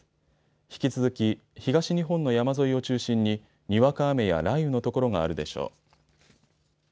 引き続き東日本の山沿いを中心ににわか雨や雷雨の所があるでしょう。